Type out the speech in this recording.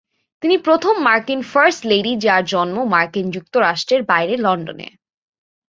তিনি প্রথম মার্কিন ফার্স্ট লেডি যার জন্ম মার্কিন যুক্তরাষ্ট্রের বাইরে লন্ডনে।